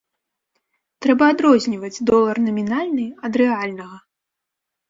Трэба адрозніваць долар намінальны ад рэальнага.